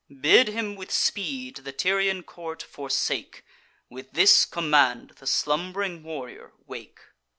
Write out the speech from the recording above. Bid him with speed the Tyrian court forsake; With this command the slumb'ring warrior wake."